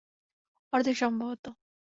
অর্ধেক, সম্ভবত।